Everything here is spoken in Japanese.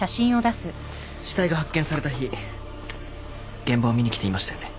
死体が発見された日現場を見に来ていましたよね。